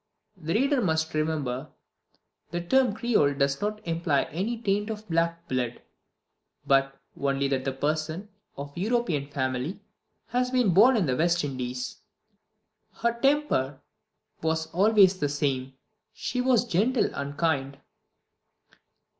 (The reader must remember that the term "Creole" does not imply any taint of black blood, but only that the person, of European family, has been born in the West Indies.) Her temper was always the same. She was gentle and kind."